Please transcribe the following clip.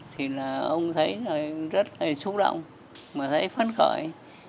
thì là ông thấy rất là xúc động mà thấy phấn khởi